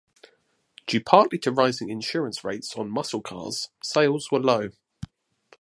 Due partly to rising insurance rates on muscle cars, sales were low.